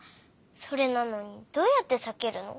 それなのにどうやってさけるの？